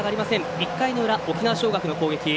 １回の裏、沖縄尚学の攻撃。